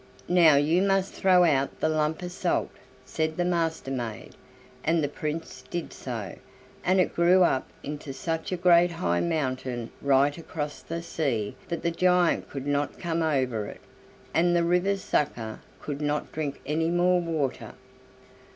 "Now you must throw out the lump of salt," said the Master maid, and the Prince did so, and it grew up into such a great high mountain right across the sea that the giant could not come over it, and the river sucker could not drink any more water.